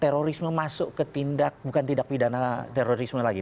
terorisme masuk ke tindak bukan tindak pidana terorisme lagi